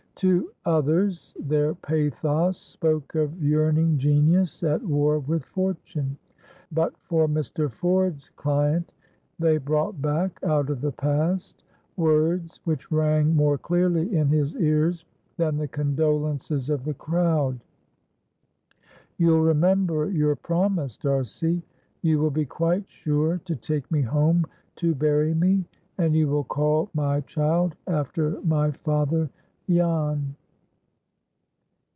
To others their pathos spoke of yearning genius at war with fortune; but for Mr. Ford's client they brought back, out of the past, words which rang more clearly in his ears than the condolences of the crowd,— "You'll remember your promise, D'Arcy? You will be quite sure to take me home to bury me? And you will call my child after my father,—JAN?"